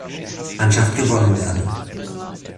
Mannschaft gewonnen werden.